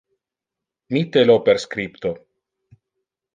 Mitte lo per scripto.